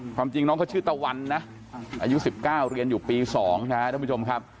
ความจริงน้องเขาชื่อตะวันนะอายุ๑๙เรียนอยู่ปี๒นะครับท่านผู้ชมครับ